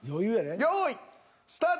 用意スタート！